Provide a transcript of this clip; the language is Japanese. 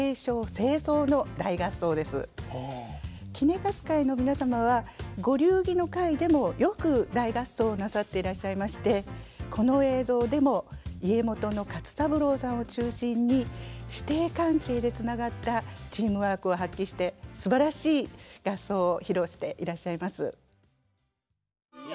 杵勝会の皆様はご流儀の会でもよく大合奏をなさっていらっしゃいましてこの映像でも家元の勝三郎さんを中心に師弟関係でつながったチームワークを発揮してすばらしい合奏を披露していらっしゃいます。